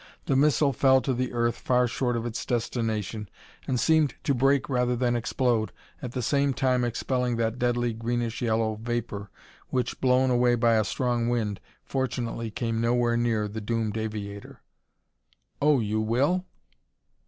The missile fell to the earth far short of its destination and seemed to break rather than explode, at the same time expelling that deadly, greenish yellow vapor which, blown away by a strong wind, fortunately came nowhere near the doomed aviator. "Oh! You will?"